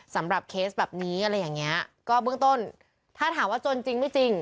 สำหรับเคสแบบนี้อะไรอย่างเงี้ยก็เบื้องต้นถ้าถามว่าจนจริงไม่จริง